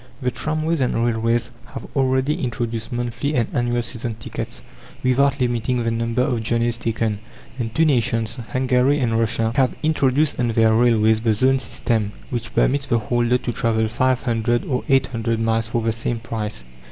The tramways and railways have already introduced monthly and annual season tickets, without limiting the number of journeys taken; and two nations, Hungary and Russia, have introduced on their railways the zone system, which permits the holder to travel five hundred or eight hundred miles for the same price.